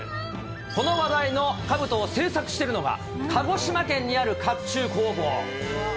この話題のかぶとを制作してるのが、鹿児島県にあるかっちゅう工房。